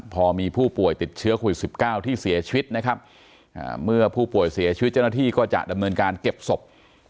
พอมีผู้ป่วยติดเชื้อโควิด๑๙ที่เสียชีวิตนะครับเมื่อผู้ป่วยเสียชีวิตเจ้าหน้าที่ก็จะดำเนินการเก็บศพ